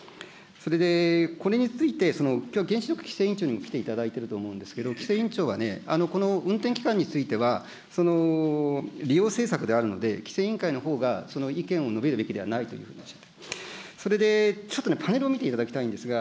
それで、これについて、きょう原子力規制委員長に来ていると思うんですが、規制委員長は運転期間については、利用政策であるので、規制委員会のほうが意見を述べるべきではないという話。